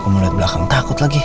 kumulat belakang takut lagi